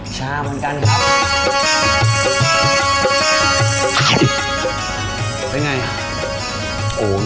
ชาเหมือนกันครับ